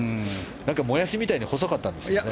何か、もやしみたいに細かったんですよね。